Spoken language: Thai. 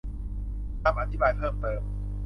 คำอธิบายเพิ่มเติม